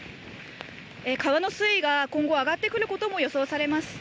川の水位が今後、上がってくることも予想されます。